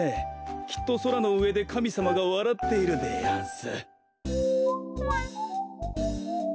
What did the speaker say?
きっとそらのうえでかみさまがわらっているでやんす。